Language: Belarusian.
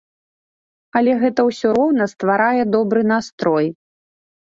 Але гэта ўсё роўна стварае добры настрой.